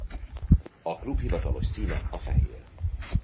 A klub hivatalos színe a fehér.